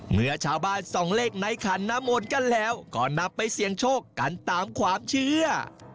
เมื่อชาวบ้านส่องเลขในขันน้ำมนต์กันแล้วก็นำไปเสี่ยงโชคกันตามความเชื่อ